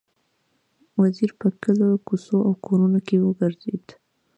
وزیر په کلیو، کوڅو او کورونو کې وګرځېد.